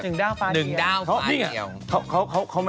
นี่ไงด้าว